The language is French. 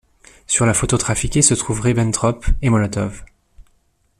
Sur la photo trafiquée se trouvent Ribbentrop et Molotov.